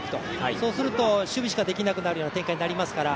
そうすると、守備しかできなくなるような展開になりますから。